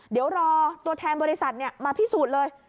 เดี๋ยวรอตัวแทนบริษัทมาพิสูจน์เลย